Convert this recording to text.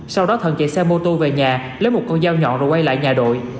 sau đó thận chạy xe mô tô về nhà lấy một con dao nhọn rồi quay lại nhà đội